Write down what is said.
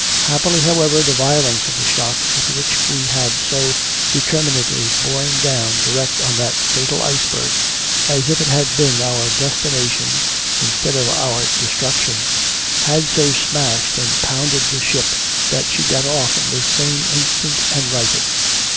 Happily, however, the violence of the shock with which we had so determinedly borne down direct on that fatal Iceberg, as if it had been our destination instead of our destruction, had so smashed and pounded the ship that she got off in this same instant and righted.